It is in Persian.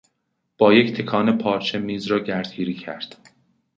با یک تکان پارچه میز را گردگیری کرد.